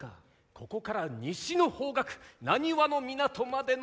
ここから西の方角難波の港までの道を。